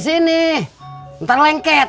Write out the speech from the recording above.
minta lengket orang cici